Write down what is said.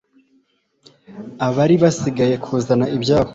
abari basigaye kuzana ibyabo